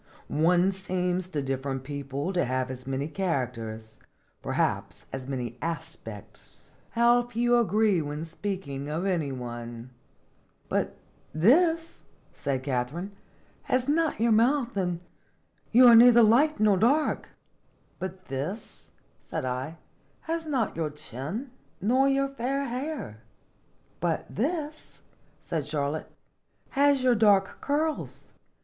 "One seems to different people to have as many characters, perhaps as many aspects. How few agree when speaking of any one !" "But this," said Katharine, "has not your mouth; and you are neither light nor dark." " But this," said I, " has not your chin, nor your fair hair." " But this," said Charlotte, " has your dark curls.